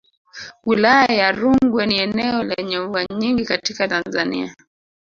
Wilaya ya Rungwe ni eneo lenye mvua nyingi katika Tanzania